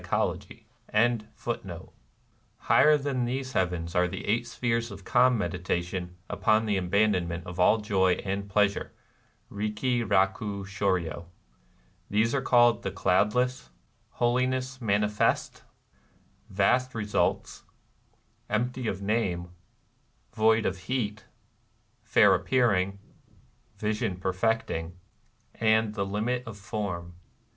^ Higher than these heavens are the eight spheres of Calm Medi tation upon the Abandonment of all Joy and Pleasure (^Itiki rahu slidryo). They are called The Cloudless, Holiness Manifest, Vast Ee sults, Empty of Name, Void of Heat, Fair Appearing, Vision Perfecting, and The Limit of Form.